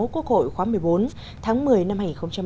quốc hội khóa một mươi bốn tháng một mươi năm hai nghìn một mươi tám